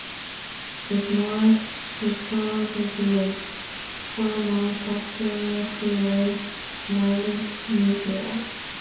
It marked his solo debut, four months after he left Malice Mizer.